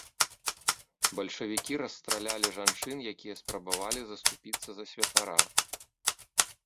Бальшавікі расстралялі жанчын, якія спрабавалі заступіцца за святара.